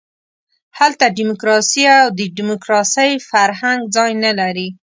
هلته ډیموکراسي او د ډیموکراسۍ فرهنګ ځای نه لري.